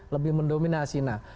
lebih mendominasi nah